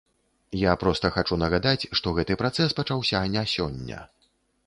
Я проста хачу нагадаць, што гэты працэс пачаўся не сёння.